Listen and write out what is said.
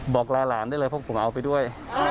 บอกลาหลานได้เลยเพราะผมเอาไปด้วย